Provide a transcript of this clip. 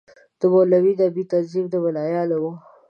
د مولوي نبي تنظیم د ملايانو وو.